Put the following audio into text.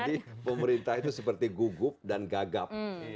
jadi pemerintah itu seperti gugup dan gagap